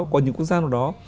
có những quốc gia nào đó